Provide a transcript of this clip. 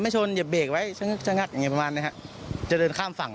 ไม่ชนจะเบรกไว้จะกับอย่างงี้ประมาณนี้จะดึงข้ามฝั่ง